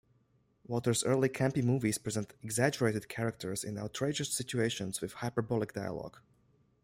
Waters' early campy movies present exaggerated characters in outrageous situations with hyperbolic dialogue.